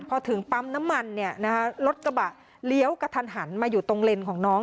พอถึงปั๊มน้ำมันรถกระบะเลี้ยวกระทันหันมาอยู่ตรงเลนของน้อง